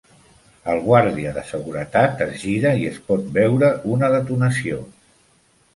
El guàrdia de seguretat es gira i es pot veure una detonació.